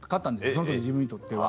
その時の自分にとっては。